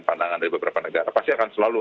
pandangan dari beberapa negara pasti akan selalu